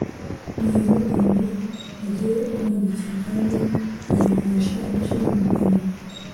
ntiyavuga ngo hagire umwandikira, kandi ntiyakoresha imashini mu kwandika.